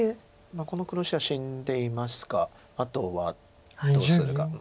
この黒石は死んでいますがあとはどうするか。